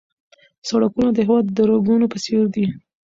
سړکونه د هېواد د رګونو په څېر دي.